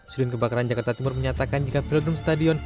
sudin kebakaran jakarta timur menyatakan jika velodrome stadion